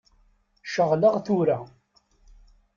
Ceɣleɣ tura.